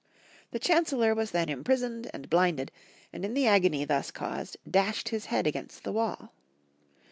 The chancellor was then imprisoned and blinded, and in the agony thus caused, dashed his head against the wall.